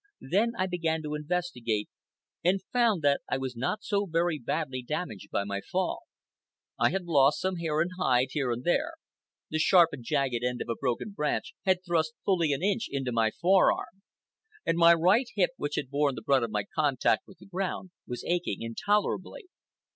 Then I began to investigate, and found that I was not so very badly damaged by my fall. I had lost some hair and hide, here and there; the sharp and jagged end of a broken branch had thrust fully an inch into my forearm; and my right hip, which had borne the brunt of my contact with the ground, was aching intolerably.